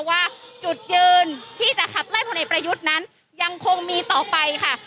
ว่าจุดยืนที่จะขับไล่พลเอกประยุทธ์นั้นยังคงมีต่อไปค่ะ